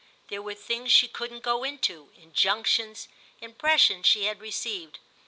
There were things she couldn't go into—injunctions, impressions she had received.